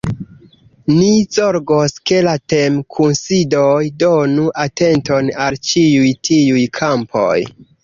Ni zorgos, ke la temkunsidoj donu atenton al ĉiuj tiuj kampoj.